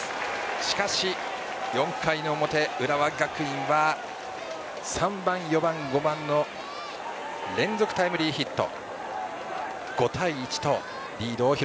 しかし、４回の表浦和学院は３番、４番、５番の連続タイムリーヒット。